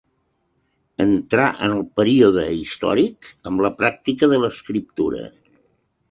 Entrà en el període històric amb la pràctica de l'escriptura.